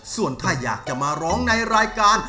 ส่วนถ้าอยากจะมาร้องในรายการ